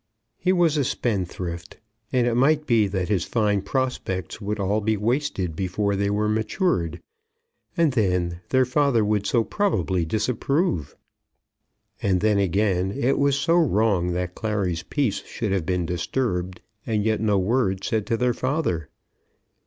He was a spendthrift, and it might be that his fine prospects would all be wasted before they were matured. And then their father would so probably disapprove! And then, again, it was so wrong that Clary's peace should have been disturbed and yet no word said to their father.